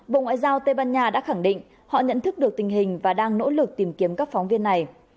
bộ ngoại giao tây ban nha đã khẳng định họ nhận thức được tình hình và đang nỗ lực tìm kiếm các phóng viên này